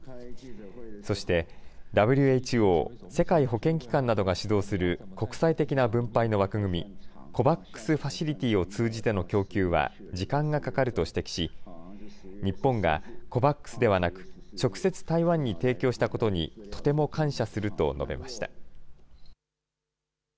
そして、ＷＨＯ・世界保健機関などが主導する国際的な分配の枠組み、ＣＯＶＡＸファシリティを通じての供給は時間がかかると指摘し、日本が、ＣＯＶＡＸではなく、直接、台湾に提供したことに、とても感謝すると述べました。